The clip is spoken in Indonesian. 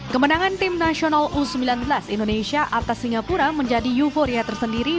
kemenangan tim nasional u sembilan belas indonesia atas singapura menjadi euforia tersendiri